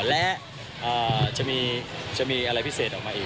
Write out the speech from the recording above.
และจะมีอะไรพิเศษออกมาอีก